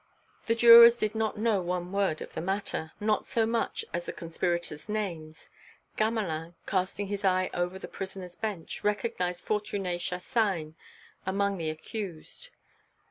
The jurors did not know one word of the matter, not so much as the conspirators' names. Gamelin, casting his eye over the prisoners' bench, recognized Fortuné Chassagne among the accused.